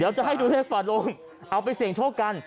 จะให้ดูเลขฝาโลงเอาไปเสี่ยงโชคกัน